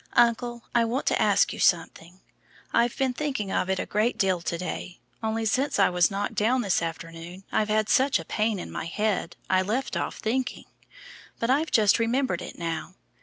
Uncle, I want to ask you something. I've been thinking of it a great deal to day, only since I was knocked down this afternoon I've had such a pain in my head I left off thinking. But I've just remembered it now.